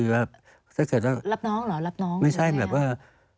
รับน้องเหรอ